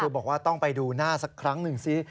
คือบอกว่าต้องไปดูหน้าสักครั้งหนึ่งซิ